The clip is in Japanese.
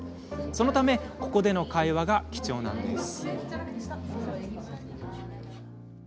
そのため、ここでの会話が貴重なんです。